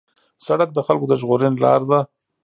سړک د خلکو د ژغورنې لار ده.